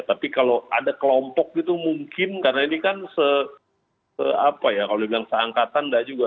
tapi kalau ada kelompok gitu mungkin karena ini kan se apa ya kalau dibilang seangkatan tidak juga